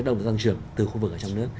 đồng thời tăng trưởng từ khu vực ở trong nước